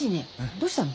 どうしたの？